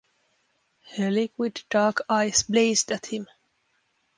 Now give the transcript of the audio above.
Her liquid dark eyes blazed at him.